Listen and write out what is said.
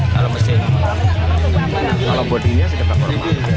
kalau mesin peralat bodinya sekitar empat jutaan